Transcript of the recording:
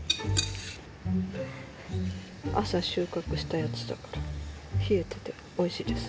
朝収穫したやつだから冷えてておいしいです。